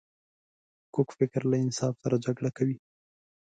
کوږ فکر له انصاف سره جګړه کوي